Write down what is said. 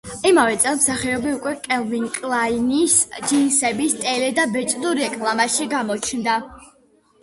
იმავე წელს მსახიობი უკვე კელვინ კლაინის ჯინსების ტელე და ბეჭდურ რეკლამაში გამოჩნდა.